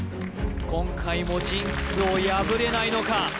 今回もジンクスを破れないのか？